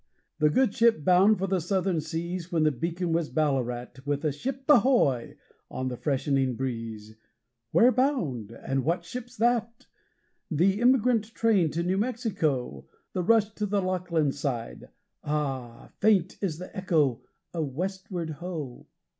The good ship bound for the Southern seas when the beacon was Ballarat, With a 'Ship ahoy!' on the freshening breeze, 'Where bound?' and 'What ship's that?' The emigrant train to New Mexico the rush to the Lachlan Side Ah! faint is the echo of Westward Ho!